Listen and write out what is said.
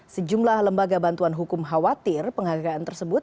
sejumlah lembaga bantuan hukum khawatir penghargaan tersebut